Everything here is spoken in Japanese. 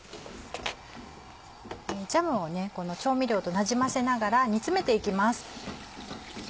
ジャムをこの調味料となじませながら煮詰めていきます。